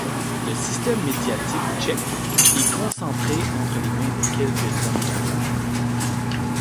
Le système médiatique tchèque est concentré entre les mains de quelques hommes d'affaires.